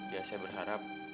ya saya berharap